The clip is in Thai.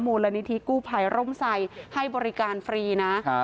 มูลนิธิกู้ภัยร่มไซดให้บริการฟรีนะ